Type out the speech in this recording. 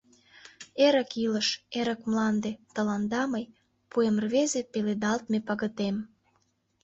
Эрык илыш, Эрык мланде, тыланда мый Пуэм рвезе, Пеледалтме пагытем!